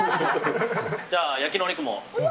じゃあ焼きのお肉も。